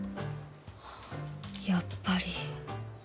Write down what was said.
やっぱり。